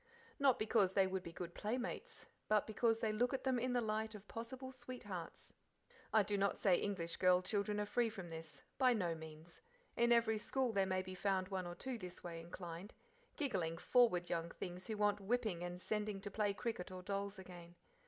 Not because they would be good playmates, but because they look at them in the light of possible "sweethearts." I do not say English girl children are free from this. By no means; in every school there may be found one or two this way inclined, giggling, forward young things who want whipping and sending to play cricket or dolls again.